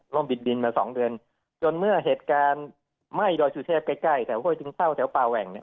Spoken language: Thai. บิดดินมาสองเดือนจนเมื่อเหตุการณ์ไหม้ดอยสุเทพใกล้ใกล้แถวห้วยจึงเศร้าแถวป่าแหว่งเนี่ย